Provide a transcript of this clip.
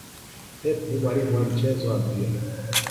pep ni mwalimu wa mchezo wa mpira